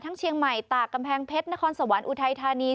เชียงใหม่ตากกำแพงเพชรนครสวรรค์อุทัยธานี